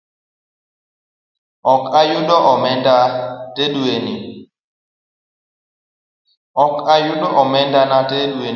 Ok ayudo omendana te dweni